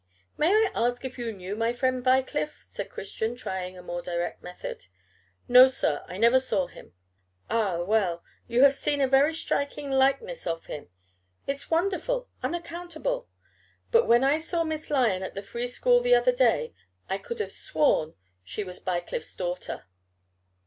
"May I ask if you knew my friend Bycliffe?" said Christian, trying a more direct method. "No, sir; I never saw him." "Ah! well you have seen a very striking likeness of him. It's wonderful unaccountable; but when I saw Miss Lyon at the Free School the other day, I could have sworn she was Bycliffe's daughter."